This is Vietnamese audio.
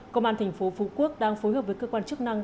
công an thành phố phú quốc đang phối hợp với cơ quan chức năng